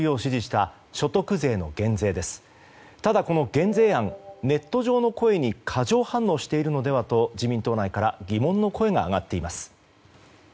ただ、この減税案ネット上の声に過剰反応しているのではと自民党内から疑問の声が上がっています。